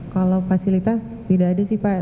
kalau fasilitas tidak ada sih pak